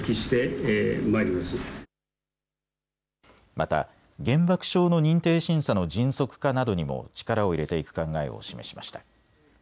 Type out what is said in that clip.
また原爆症の認定審査の迅速化などにも力を入れていく考えを示しました。